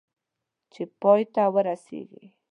چې پای ته ورسېږي .